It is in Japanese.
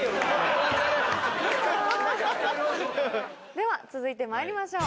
では続いてまいりましょう。